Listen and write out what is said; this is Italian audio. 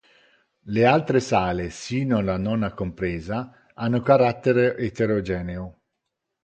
Le altre sale, sino alla nona compresa, hanno carattere eterogeneo.